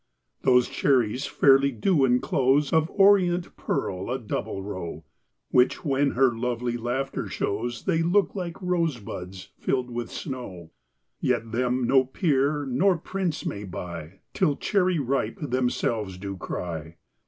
Those cherries fairly do enclose Of orient pearl a double row, Which when her lovely laughter shows, They look like rose buds fill'd with snow. Yet them no peer nor prince may buy, Till Cherry Ripe themselves do cry.